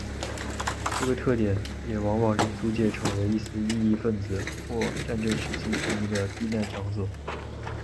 这个特点也往往令租界成为一些异议份子或战争时期平民的避难场所。